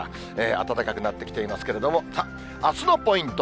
暖かくなってきていますけれども、さあ、あすのポイント。